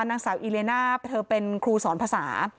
นางสาวอิเลน่าเธอเป็นครูสอนภาษา